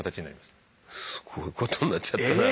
すごいことになっちゃったな。